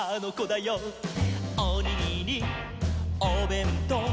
「おにぎりおべんとう」